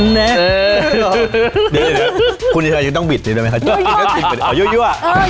เดี๋ยวเดี๋ยวเดี๋ยวเดี๋ยวเดี๋ยว